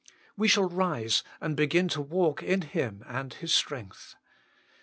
We shall rise and begin to walk in Him and His strength.